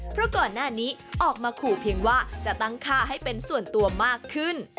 เพราะก่อนหน้านี้ออกมาขู่เพียงว่าจะตั้งค่าให้เป็นส่วนตัวมากขึ้น